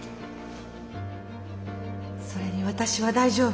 それに私は大丈夫。